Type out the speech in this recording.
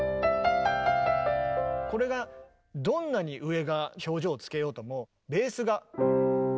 これがどんなに上が表情をつけようともベースが。